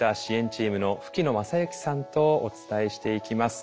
シームの吹野昌幸さんとお伝えしていきます。